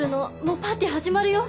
もうパーティー始まるよ。